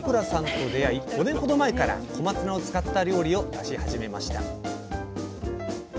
５年ほど前から小松菜を使った料理を出し始めました